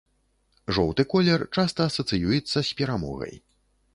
Жоўты колер часта асацыюецца з перамогай.